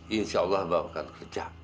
insya allah bapak akan kerja